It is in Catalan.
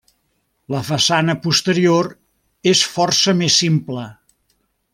La façana posterior és força més simple.